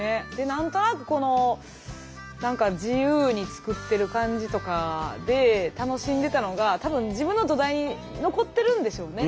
何となく自由に作ってる感じとかで楽しんでたのが多分自分の土台に残ってるんでしょうね。